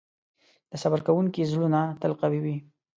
د صبر کوونکي زړونه تل قوي وي.